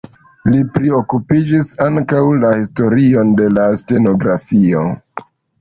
Li priokupiĝis ankaŭ la historion de la stenografio.